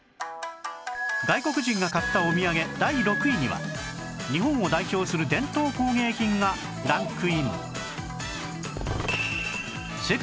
外国人が買ったお土産第６位には日本を代表する伝統工芸品がランクイン